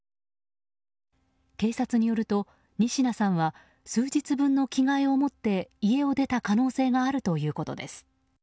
警察によると仁科さんは数日分の着替えを持って家を出た可能性があるということです。